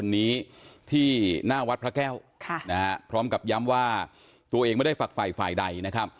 วันนี้ที่หน้าวัดพระแก้วพร้อมกับย้ำว่าตัวเองไม่ได้ฝักฝ่ายฝ่ายใดนะครับ